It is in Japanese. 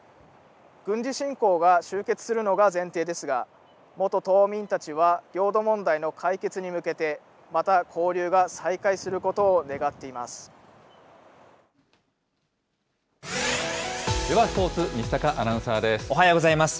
軍事侵攻が終結するのが前提ですが、元島民たちは領土問題の解決に向けて、また交流が再開することをではスポーツ、西阪アナウンサーです。